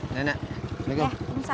nenek selamat tinggal